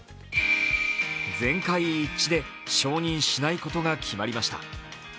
全会一致で承認しないことが決まりました。